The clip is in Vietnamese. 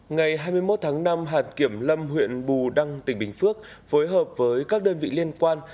ngày hai mươi một tháng năm hạt kiểm lâm huyện bù đăng tỉnh bình phước phối hợp với các đơn vị liên quan